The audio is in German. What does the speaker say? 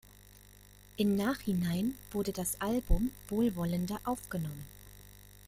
In Nachhinein wurde das Album wohlwollender aufgenommen.